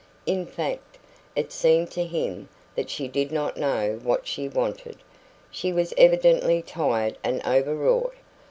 In fact, it seemed to him that she did not know what she wanted. She was evidently tired and overwrought.